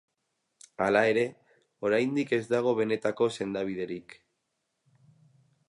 Hala ere, oraindik ez dago benetako sendabiderik.